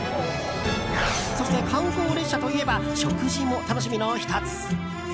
そして観光列車といえば食事も楽しみの１つ。